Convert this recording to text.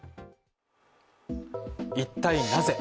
一体なぜ。